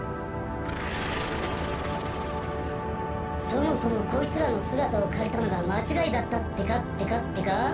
そもそもこいつらのすがたをかりたのがまちがいだったってかってかってか。